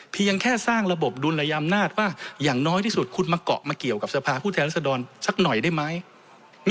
เพียงแค่สร้างระบบดุลยอำนาจว่าอย่างน้อยที่สุดคุณมาเกาะมาเกี่ยวกับสภาพผู้แทนรัศดรสักหน่อยได้ไหม